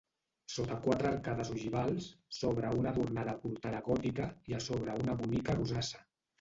Sota quatre arcades ogivals s'obre una adornada portada gòtica, i a sobre una bonica rosassa.